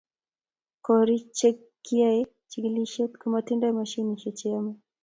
kori che kiyaen chikilishet komatindo mashine che yame